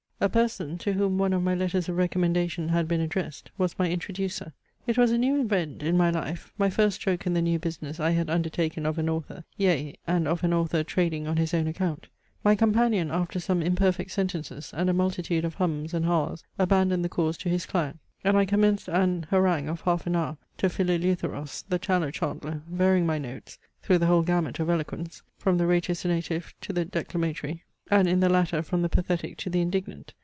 A person, to whom one of my letters of recommendation had been addressed, was my introducer. It was a new event in my life, my first stroke in the new business I had undertaken of an author, yea, and of an author trading on his own account. My companion after some imperfect sentences and a multitude of hums and has abandoned the cause to his client; and I commenced an harangue of half an hour to Phileleutheros, the tallow chandler, varying my notes, through the whole gamut of eloquence, from the ratiocinative to the declamatory, and in the latter from the pathetic to the indignant.